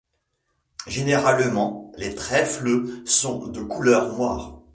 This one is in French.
Généralement, les trèfles sont de couleur noire.